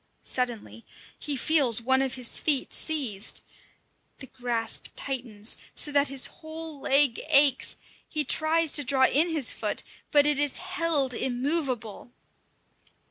Suddenly he feels one of his feet seized. The grasp tightens, so that his whole leg aches; he tries to draw in his foot, but it is held immovable.